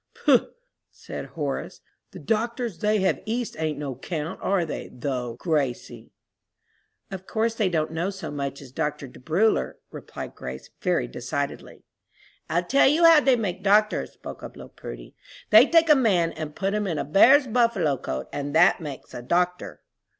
"Poh!" said Horace, "the doctors they have East ain't no 'count, are they, though, Gracie?" "Of course they don't know so much as Dr. De Bruler," replied Grace, very decidedly. "I'll tell you how they make doctors," spoke up little Prudy; "they take a man and put him in a bear's buffalo coat, and that makes a doctor."